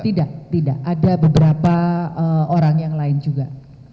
tidak tidak ada beberapa orang yang lain juga